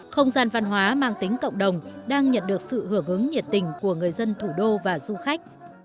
không gian văn hóa mang tính cộng đồng đang nhận được sự hưởng ứng nhiệt tình của người dân thủ đô và du khách